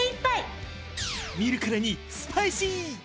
見るからにスパイシー！